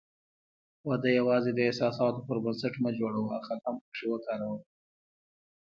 واده یوازې د احساساتو پر بنسټ مه جوړوه، عقل هم پکې وکاروه.